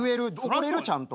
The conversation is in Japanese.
怒れる？ちゃんと。